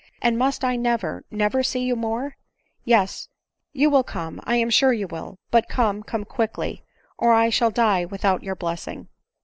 And must I never, never see you more ? Yes ! you will come, I am sure you will, but come, come quickly, or I shall die without your blessing.